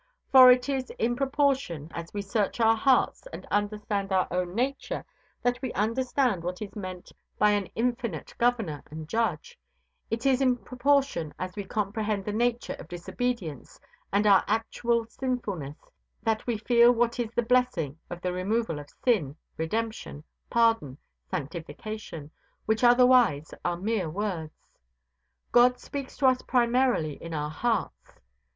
For it is in proportion as we search our hearts and understand our own nature that we understand what is meant by an Infinite Governor and Judge; it is in proportion as we comprehend the nature of disobedience and our actual sinfulness that we feel what is the blessing of the removal of sin, redemption, pardon, sanctification, which otherwise are mere words. God speaks to us primarily in our hearts.